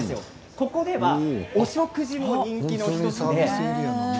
ここではお食事も人気の１つなんです。